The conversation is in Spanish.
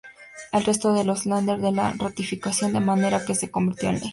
El resto de los "Länder" la ratificaron, de manera que se convirtió en ley.